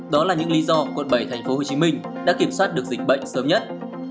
đó là những lý do quận bảy tp hcm đã kiểm soát được dịch bệnh sớm nhất